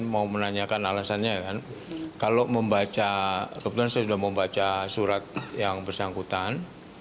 mau menanyakan alasannya kan kalau membaca kebetulan saya sudah membaca surat yang bersangkutan